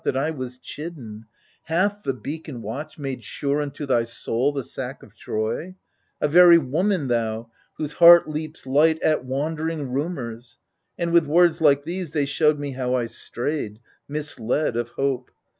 That I was chidden — Hath the beacon watch Mcule sure unto thy soul the sack of Troy ? A very woman thou^ whose heart leaps light At wandering rumours !— and with words like these They showed me how I strayed, misled of hope.